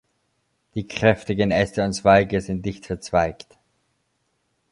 Die kräftigen Äste und Zweige sind dicht verzweigt.